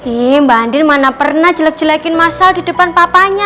ih mbak andin mana pernah jelek jelekin mas al di depan papanya